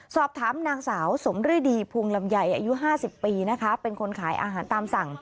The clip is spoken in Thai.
สอบถามนางสาวสมรื้อดีภูงลำใหญ่อายุ๕๐ปีเป็นคนขายอาหารตามสั่ง